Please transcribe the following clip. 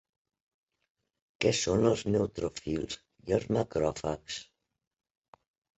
Què són els neutròfils i els macròfags?